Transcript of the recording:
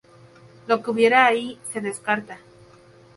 Lo que hubiera ahí se descarta.